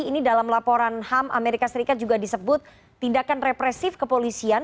ini dalam laporan ham amerika serikat juga disebut tindakan represif kepolisian